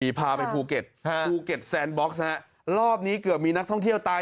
พาไปภูเก็ตภูเก็ตแซนบ็อกซ์ฮะรอบนี้เกือบมีนักท่องเที่ยวตาย